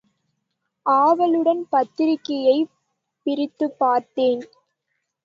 ஆவலுடன் பத்திரிகையைப் பிரித்துப்பார்த்தேன்.